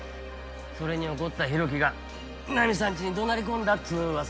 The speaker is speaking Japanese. それに怒った浩喜がナミさんちに怒鳴り込んだっつう噂やろ。